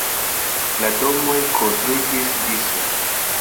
La domoj konstruiĝis dise.